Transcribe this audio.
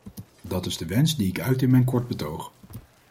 Dat is de wens die ik uit in mijn korte betoog.